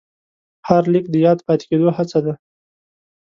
هر لیک د یاد پاتې کېدو هڅه ده.